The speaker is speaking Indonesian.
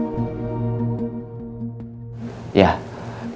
ya kita juga sudah siapkan nafasnya gitu kan